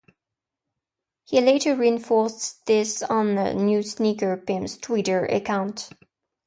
He later reinforced this on a new Sneaker Pimps Twitter account.